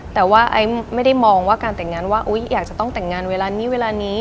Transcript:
แต่ว่าไอ้ไม่ได้มองว่าการแต่งงานว่าอยากจะต้องแต่งงานเวลานี้เวลานี้